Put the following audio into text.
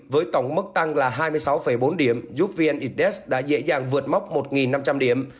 với tổng mức tăng là hai mươi sáu bốn điểm giúp vn index đã dễ dàng vượt mốc một năm trăm linh điểm